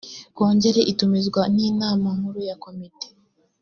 kongere itumizwa n’inama nkuru ya komite